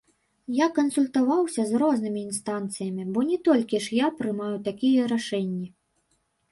Я кансультаваўся з рознымі інстанцыямі, бо не толькі ж я прымаю такія рашэнні.